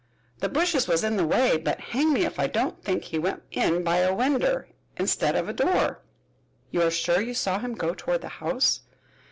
The bushes was in the way, but hang me if I don't think he went in by a winder instead of a door." "You are sure you saw him go toward the house?"